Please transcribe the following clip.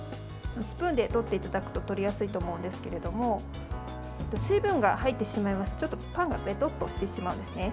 スプーンで取っていただくと取りやすいと思うんですけれども水分が入ってしまいますとちょっと、パンがべとっとしてしまうんですね。